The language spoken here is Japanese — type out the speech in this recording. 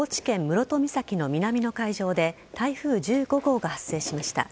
室戸岬の南の海上で台風１５号が発生しました。